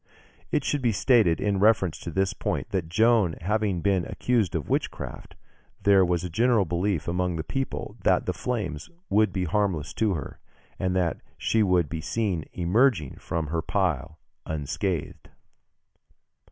It should be stated in reference to this point, that Joan having been accused of witchcraft, there was a general belief among the people that the flames would be harmless to her, and that she would be seen emerging from her pile unscathed.